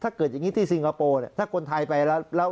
ถ้าเกิดอย่างนี้ที่สิงคโปร์ถ้าคนไทยไปแล้ว